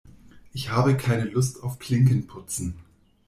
Ich habe keine Lust auf Klinken putzen.